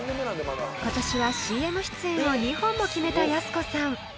［今年はＣＭ出演を２本も決めたやす子さん］